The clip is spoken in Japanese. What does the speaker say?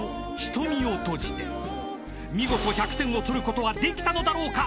［見事１００点を取ることはできたのだろうか⁉］